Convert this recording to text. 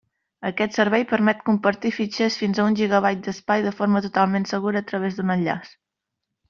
Aquest servei permet compartir fitxers fins a un gigabyte d'espai de forma totalment segura a través d'un enllaç.